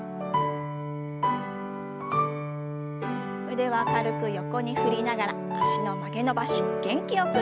腕は軽く横に振りながら脚の曲げ伸ばし元気よく。